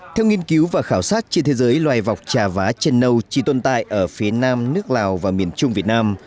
theo nghiên cứu và khảo sát trên thế giới loài vọc trà vá chân nâu chỉ tồn tại ở phía nam nước lào và miền trung việt nam